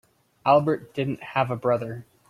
Albert didn't have a brother.